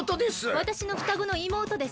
わたしのふたごのいもうとです。